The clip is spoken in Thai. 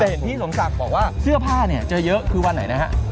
แต่เห็นที่สงสักบอกว่าเสื้อผ้าเนี่ยจะเยอะคือวันไหนนะครับ